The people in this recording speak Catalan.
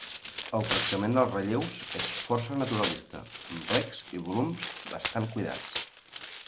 El tractament dels relleus és força naturalista, amb plecs i volums bastant cuidats.